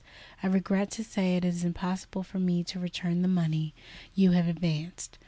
I regret to say it is impossible for me to return the money you have advanced.